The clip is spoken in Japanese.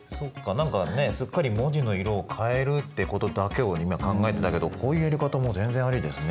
何かねすっかり文字の色を変えるってことだけを今考えてたけどこういうやり方も全然ありですね。